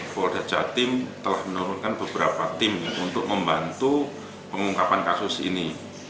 polda jatim telah menurunkan beberapa tim untuk membantu pengungkapan kasus ini